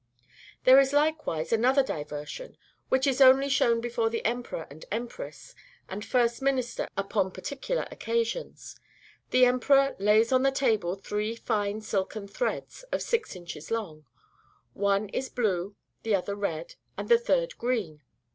There is likewise another diversion, which is only shown before the emperor and empress, and first minister, upon particular occasions. The emperor lays on the table three fine silken threads of six inches long: one is blue, the other red, and the third green.